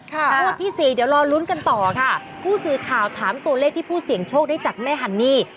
งวดที่สี่เดี๋ยวรอลุ้นกันต่อค่ะผู้สื่อข่าวถามตัวเลขที่ผู้เสี่ยงโชคได้จากแม่ฮันนี่